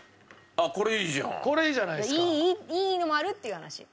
いいのもあるっていう話。